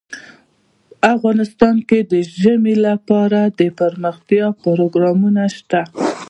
افغانستان کې د ژمی لپاره دپرمختیا پروګرامونه شته.